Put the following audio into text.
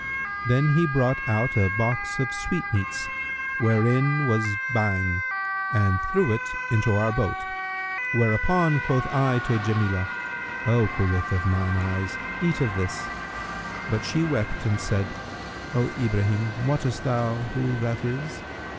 '[FN#338] Then he brought out a box of sweetmeats, wherein was Bhang and threw it into our boat: whereupon quoth I to Jamilah, 'O coolth of mine eyes, eat of this.' But she wept and said, 'O Ibrahim, wottest thou who that is?'